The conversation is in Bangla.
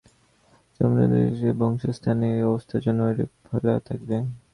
সম্ভবত অত্যধিক পর্বতারোহণ এবং ঐ স্থানের অস্বাস্থ্যকর অবস্থার জন্য এরূপ হইয়া থাকবে।